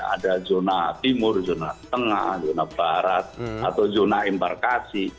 ada zona timur zona tengah zona barat atau zona embarkasi